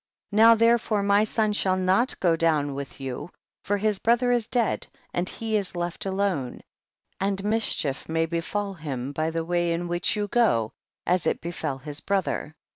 4. Now therefore my son shall not go down with you, for his brother is dead and he is left alone, and mischief may befall him by the way in which you go, as it befel his brother.